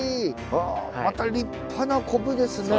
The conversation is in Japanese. また立派なコブですね。